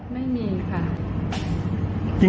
ไม่มีค่ะ